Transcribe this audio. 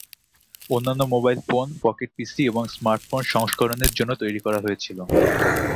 অন্যান্য mobile phone, pocket PC এবং smartphone সংস্করণের জন্য তৈরি করা হয়েছিল।